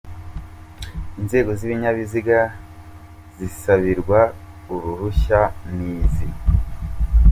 Inzego z’ibinyabiziga zisabirwa uruhushya ni izi:.